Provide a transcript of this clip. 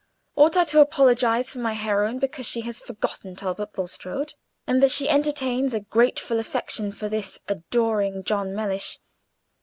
Ought I to apologize for my heroine because she has forgotten Talbot Bulstrode, and that she entertains a grateful affection for this adoring John Mellish?